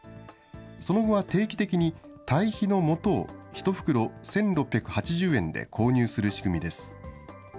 その後は定期的に、堆肥のもとを１袋１６８０円で購入する仕組みです。